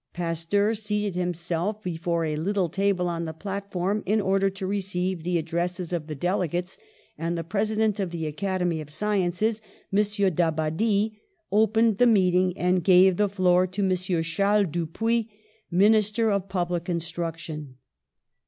Pasteur seated himself before a little table on the platform, in order to receive the addresses of the delegates, and the President of the Academy of Sciences, M. d'Abbadie, opened the meeting and gave the floor to M. Charles Dupuy, Minister of Public Instruction.